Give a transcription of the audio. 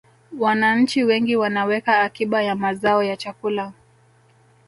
wananchi wengi wanaweka akiba ya mazao ya chakula